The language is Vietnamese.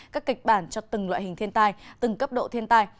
các kịch bản cho từng loại hình thiên tài từng cấp độ thiên tài